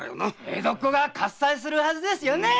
江戸っ子が喝采するはずですよ。